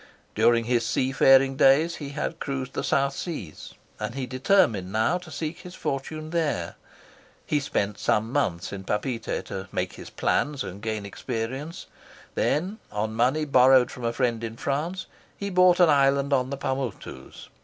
During his sea faring days he had cruised the South Seas, and he determined now to seek his fortune there. He spent some months in Papeete to make his plans and gain experience; then, on money borrowed from a friend in France, he bought an island in the Paumotus.